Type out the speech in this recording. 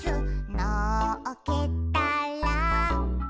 「のっけたら」